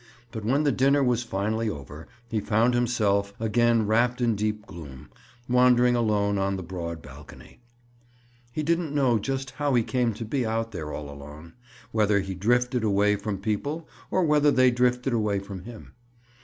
But when the dinner was finally over, he found himself, again wrapped in deep gloom, wandering alone on the broad balcony. He didn't just know how he came to be out there all alone—whether he drifted away from people or whether they drifted away from him.